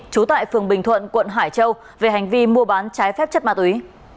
trú tại phường bình thuận quận hải châu về hành vi mua bán trái phép chất ma túy